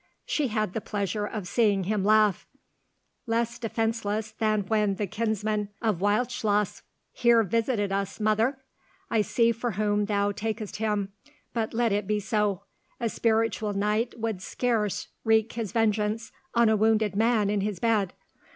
She had the pleasure of seeing him laugh. "Less defenceless than when the kinsman of Wildschloss here visited us, mother? I see for whom thou takest him, but let it be so; a spiritual knight would scarce wreak his vengeance on a wounded man in his bed.